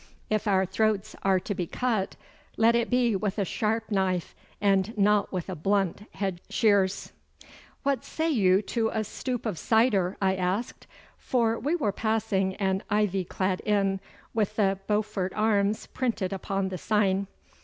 If our throats are to be cut, let it be with a shairp knife, and not with a blunt hedge shears.' 'What say you to a stoup of cider?' I asked, for we were passing an ivy clad inn, with 'The Beaufort Arms' printed upon the sign.